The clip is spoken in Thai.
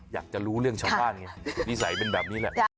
อยากจะรู้เรื่องชาวบ้านไงนิสัยเป็นแบบนี้แหละ